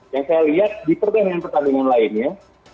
yang saya lihat di pertandingan pertandingan lainnya